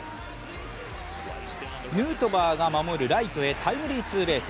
ヌートバーが守るライトへタイムリーツーベース。